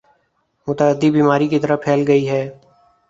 متعدی بیماری کی طرح پھیل گئی ہے